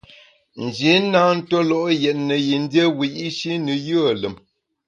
Nji na ntue lo’ yètne yin dié wiyi’shi ne yùe lùm.